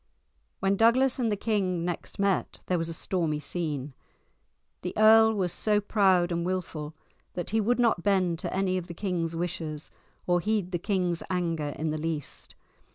When Douglas and the king next met there was a stormy scene. The earl was so proud and wilful that he would not bend to any of the king's wishes or heed the king's anger in the least.